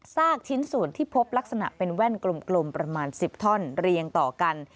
ชิ้นส่วนที่พบลักษณะเป็นแว่นกลมประมาณ๑๐ท่อนเรียงต่อกัน